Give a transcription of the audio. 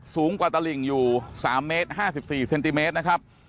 สูงกว่าตลิ่งอยู่๓เมตร๕๔เซนติเมตรนะครับ